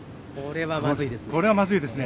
これはまずいですね。